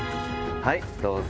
はい、どうぞ。